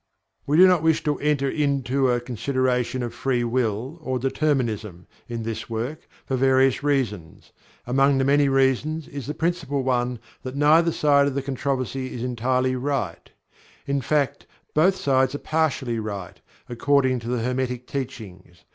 We do not wish to enter into a consideration of Free Will, or Determinism, in this work, for various reasons. Among the many reasons, is the principal one that neither side of the controversy is entirely right in fact, both sides are partially right, according to the Hermetic Teachings.